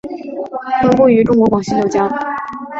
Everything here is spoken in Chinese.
分布于中国广西柳江。